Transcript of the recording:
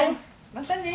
またね。